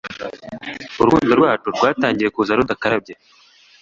urukundo rwacu rwatangiye kuza rudakarabye